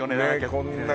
こんな